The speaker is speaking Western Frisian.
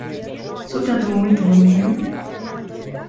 Soe dat de muoite wol leanje?